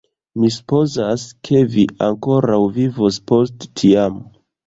Mi supozas, ke vi ankoraŭ vivos post tiam.